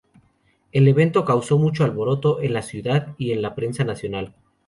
El evento causó mucho alboroto en la ciudad y en la prensa nacional.